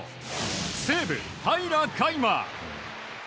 西武、平良海馬。